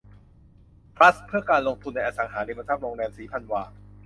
ทรัสต์เพื่อการลงทุนในอสังหาริมทรัพย์โรงแรมศรีพันวา